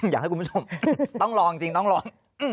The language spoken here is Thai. อยากให้คุณผู้ชมต้องลองจริงต้องลอง